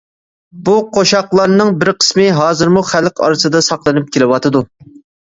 بۇ قوشاقلارنىڭ بىر قىسمى ھازىرمۇ خەلق ئارىسىدا ساقلىنىپ كېلىۋاتىدۇ.